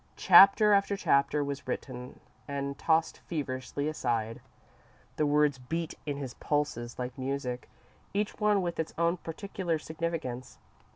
Chapter after chapter was written and tossed feverishly aside. The words beat in his pulses like music, each one with its own particular significance.